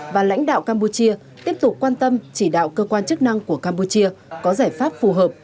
và lãnh đạo campuchia tiếp tục quan tâm chỉ đạo cơ quan chức năng của campuchia có giải pháp phù hợp